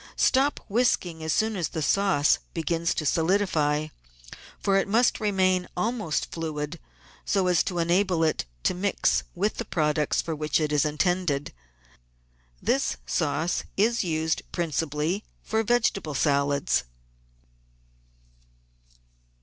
Stop whisking as soon as the sauce begins to solidify, for it must remain almost fluid so as to enable it to mix with the products for which it is intended. This sauce is used principally for vegetable salads.